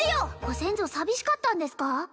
ご先祖寂しかったんですか？